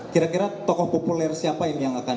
kira kira tokoh populer siapa yang akan